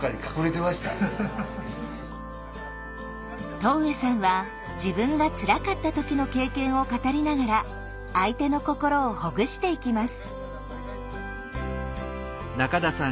戸上さんは自分がつらかった時の経験を語りながら相手の心をほぐしていきます。